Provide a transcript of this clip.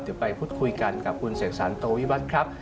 เดี๋ยวไปพูดคุยกันกับคุณเสกสรรโตวิวัตรครับ